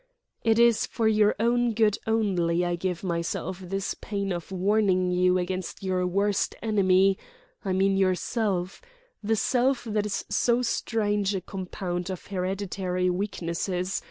"It is for your own good only I give myself this pain of warning you against your worst enemy, I mean yourself, the self that is so strange a compound of hereditary weaknesses....